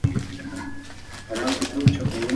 که فلم وي نو صحنه نه تیریږي.